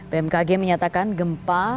bmkg menyatakan gempa